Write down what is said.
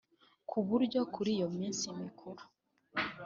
ku buryo kuri iyo minsi mikuru